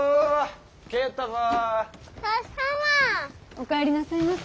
お帰りなさいませ。